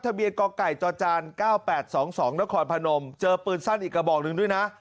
ทะเบียนกอไก่ต่อจานเก้าแปดสองสองและคอร์นพนมเจอปืนซั่นอีกกระบอกหนึ่งด้วยนะ